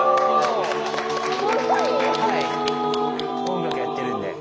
音楽やってるんで。